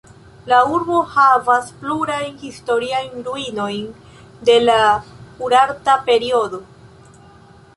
La urbo havas plurajn historiajn ruinojn de la urarta periodo.